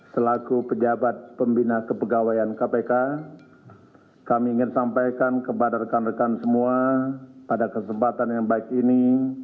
selaku pejabat pembina kepegawaian kpk kami ingin sampaikan kepada rekan rekan semua pada kesempatan yang baik ini